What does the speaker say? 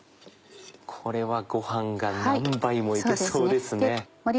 これはご飯が何杯も行けそうですね。